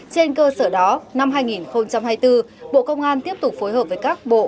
trên cơ sở đó năm hai nghìn hai mươi bốn bộ công an tiếp tục phối hợp với các bộ